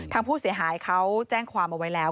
ทางผู้เสียหายเขาแจ้งความเอาไว้แล้ว